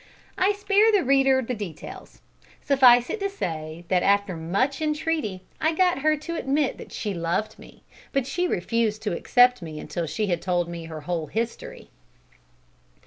I spare the reader the details. Suffice it to say that after much entreaty, I got her to admit that she loved me, but she refused to accept me until she had told me her whole history.